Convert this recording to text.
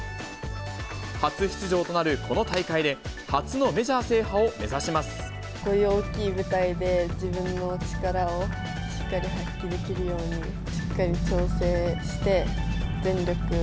初出場となるこの大会で、こういう大きい舞台で、自分の力をしっかり発揮できるように、しっかり調整して、全力を